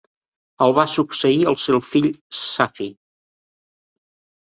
El va succeir el seu fill Safi.